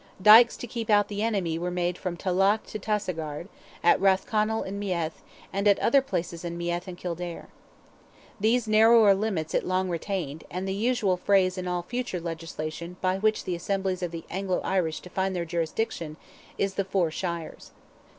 Dikes to keep out the enemy were made from Tallaght to Tassagard, at Rathconnell in Meath, and at other places in Meath and Kildare. These narrower limits it long retained, and the usual phrase in all future legislation by which the assemblies of the Anglo Irish define their jurisdiction is "the four shires."